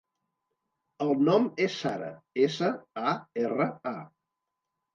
El nom és Sara: essa, a, erra, a.